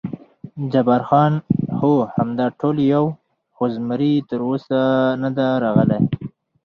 جبار خان: هو، همدا ټول یو، خو زمري تراوسه نه دی راغلی.